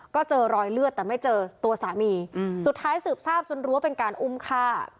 ก็เจอรอยเลือดแต่ไม่เจอตัวสามีสุดท้ายสืบทราบจนรู้ว่าเป็นการอุ้มฆ่า